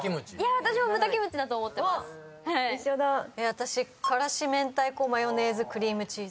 私辛子明太子マヨネーズクリームチーズ。